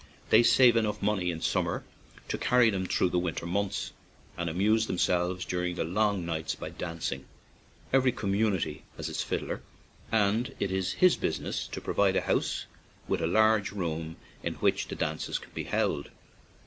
They save enough money in summer to carry them through the winter months, and amuse themselves during the long nights by dancing. Every community 8>2 ACHILL ISLAND has its fiddler, and it is his business to provide a house with a large room in which the dances can be held.